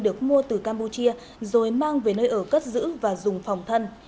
được mua từ campuchia rồi mang về nơi ở cất giữ và dùng phòng thân